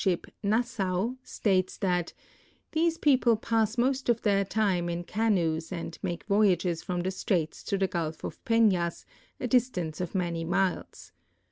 ship Nassau, states that " these })eople pass most of their time in canoes and make voyages from the straits to the Gulf of Penas, a distance of many miles.